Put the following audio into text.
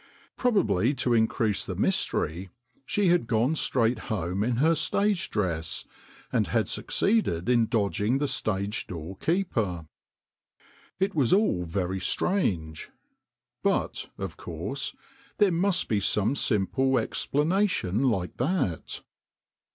Probably to increase the mystery she had gone straight home in her stage dress, and had succeeded in dodging the stage door keeper. It was all very strange ; but, of course, there must be some simple explanation like that.